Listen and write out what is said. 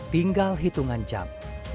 tinggal hitungan jam